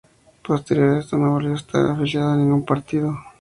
Posterior a esto no volvió a estar afiliado a ningún partido.